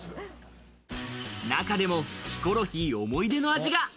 中でもヒコロヒー思い出の味